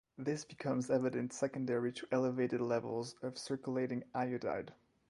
This becomes evident secondary to elevated levels of circulating iodide.